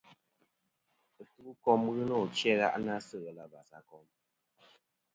Ɨtu'kom ghɨ nô achi a gha'nɨ-a sɨ ghelɨ abas a kom.